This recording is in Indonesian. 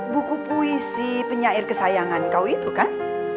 buku puisi penyair kesayangan kau itu kan